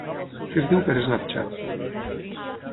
Què es diu per Snapchat?